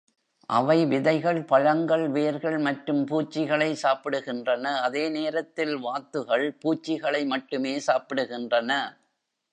அவை விதைகள், பழங்கள், வேர்கள் மற்றும் பூச்சிகளை சாப்பிடுகின்றன, அதே நேரத்தில் வாத்துகள் பூச்சிகளை மட்டுமே சாப்பிடுகின்றன.